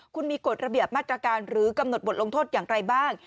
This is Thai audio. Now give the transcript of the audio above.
คุณมีกฎระเบียบมาตรการหรือกำหนดบทลงโทษอย่างไรบ้าง